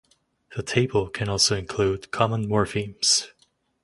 The table can also include common morphemes.